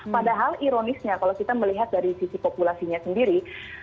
padahal ironisnya kalau kita melihat dari sisi populasinya sendiri